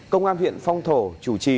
công an huyện phong thổ chủ trì